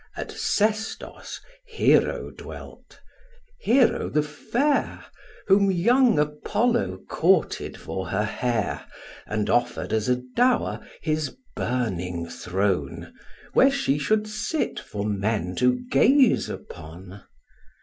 At Sestos Hero dwelt; Hero the fair, Whom young Apollo courted for her hair, And offer'd as a dower his burning throne, Where she should sit, for men to gaze upon.